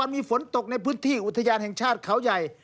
มีฝนตกในพื้นที่อุทยานแห่งชาติเขาใหญ่